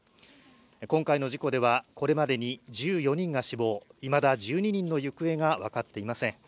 今回の事故では、これまでに１４人が死亡、いまだ１２人の行方が分かっていません。